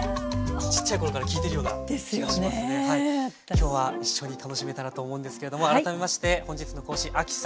今日は一緒に楽しめたらと思うんですけれども改めまして本日の講師亜希さんです。